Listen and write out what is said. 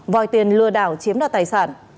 vòi tiền lừa đảo chiếm đoạt tài sản